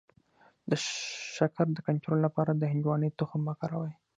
د شکر د کنټرول لپاره د هندواڼې تخم وکاروئ